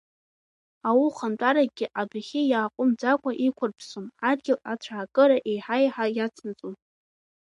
Аухантәаракгьы адәахьы иааҟәымҵӡакәа иқәырԥссон, адгьыл ацәаакыра еиҳа-еиҳа иацнаҵон.